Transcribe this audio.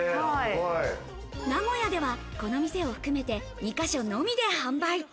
名古屋ではこの店を含めて２か所のみで販売。